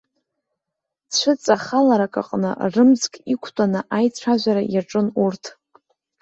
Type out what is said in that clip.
Цәыҵахаларак аҟны рымӡк иқәтәаны аицәажәара иаҿын урҭ.